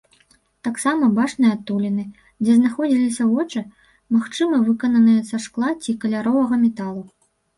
Таксама бачныя адтуліны, дзе знаходзіліся вочы, магчыма, выкананыя са шкла ці каляровага металу.